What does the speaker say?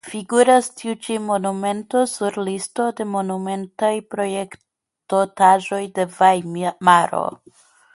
Figuras tiu ĉi monumento sur listo de monumentaj protektotaĵoj de Vajmaro.